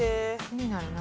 気になる。